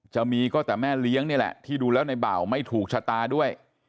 จะมีก็แต่แม่เลี้ยงนี่แหละที่ดูแล้วในเบาไม่ถูกชะตาด้วย